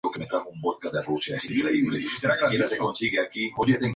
Esta casado con Lic.